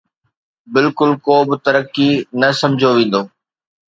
بلڪل ڪو به ترقي نه سمجهيو ويندو